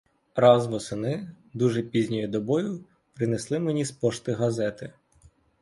Раз восени, дуже пізньою добою, принесли мені з пошти газети.